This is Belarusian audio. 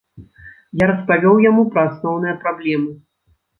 Я распавёў яму пра асноўныя праблемы.